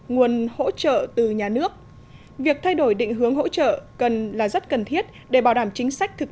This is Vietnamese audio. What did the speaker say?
nguồn hỗ trợ từ nhà nước việc thay đổi định hướng hỗ trợ cần là rất cần thiết để bảo đảm chính sách thực